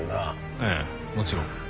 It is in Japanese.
ええもちろん。